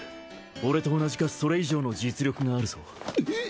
俺と同じかそれ以上の実力があるぞえっ！？